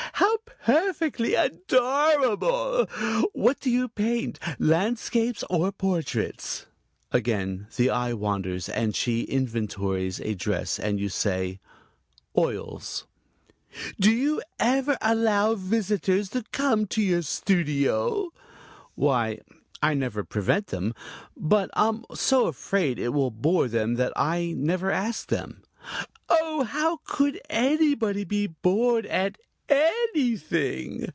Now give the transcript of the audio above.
How perfectly adorable! What do you paint landscapes or portraits?" Again the eye wanders and she inventories a dress, and you say: "Oils." "Do you ever allow visitors come to your studio?" "Why, I never prevent them, but I'm so afraid it will bore them that I never ask them." "Oh, how could anybody be bored at anything?"